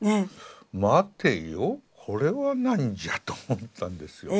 待てよこれは何じゃ？と思ったんですよ。